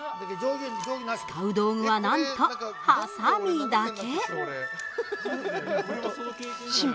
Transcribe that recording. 使う道具はなんと、はさみだけ。